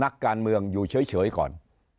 นักการเมืองอยู่เฉยก่อน